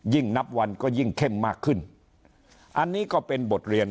นับวันก็ยิ่งเข้มมากขึ้นอันนี้ก็เป็นบทเรียน